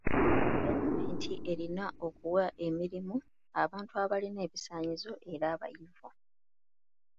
Gavumenti erina okuwa emirimu abantu abalina ebisaanyizo era abayivu.